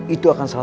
itu akan salahkan